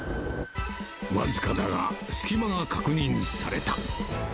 僅かだが、隙間が確認された。